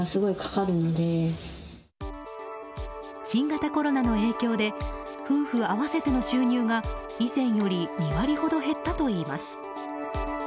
新型コロナの影響で夫婦合わせての収入が以前より２割ほど減ったといいます。